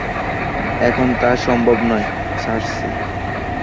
এখন তা সম্ভব নয়, সার্সি।